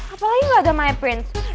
apalagi gak ada maya prince